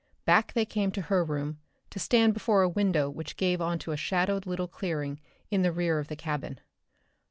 Back they came to her room, to stand before a window which gave onto a shadowed little clearing in the rear of the cabin.